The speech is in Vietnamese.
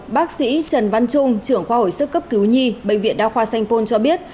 bác sĩ trần văn trung trưởng khoa hồi sức cấp cứu nhi bệnh viện đa khoa sanh pôn cho biết